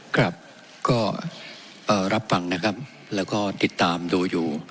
ครับก็รับฟังนะครับแล้วก็ติดตามดูอยู่